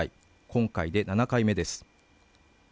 今回で７回目です